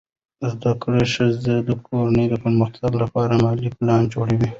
زده کړه ښځه د کورنۍ د پرمختګ لپاره مالي پلان جوړوي.